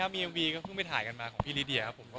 ไม่ครับคือว่าที่ความเป็นเพื่อนไง